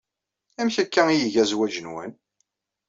Amek akka ay iga zzwaj-nwen?